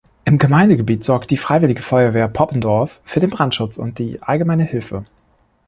Im Gemeindegebiet sorgt die Freiwillige Feuerwehr Poppendorf für den Brandschutz und die allgemeine Hilfe.